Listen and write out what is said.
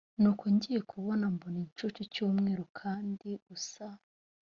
nuko ngiye kubona mbona igicu cy umweru kandi usa